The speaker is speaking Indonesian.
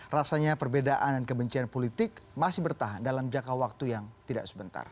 rasanya perbedaan dan kebencian politik masih bertahan dalam jangka waktu yang tidak sebentar